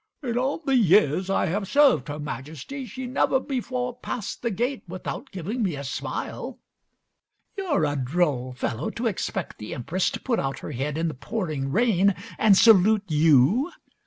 "In all the years I have served Her Majesty she never before passed the gate without giving me a smile!" You're a droll fellow, to expect the Empress to put out her head in the pouring rain and salute you.